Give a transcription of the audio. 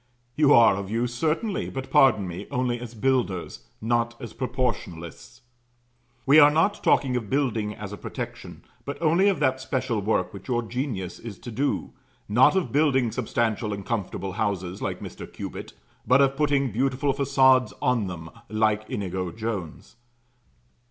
You are of use certainly; but, pardon me, only as builders not as proportionalists. We are not talking of building as a protection, but only of that special work which your genius is to do; not of building substantial and comfortable houses like Mr. Cubitt, but of putting beautiful façades on them like Inigo Jones.